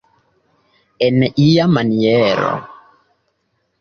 En ia maniero.